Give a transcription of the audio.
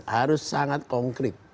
harus sangat konkret